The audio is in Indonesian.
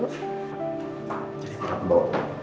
terima kasih bu